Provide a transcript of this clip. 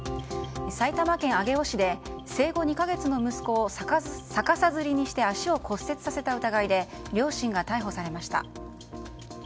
埼玉県上尾市で生後２か月の息子を逆さづりにして足を骨折させた疑いで両親が逮捕されました。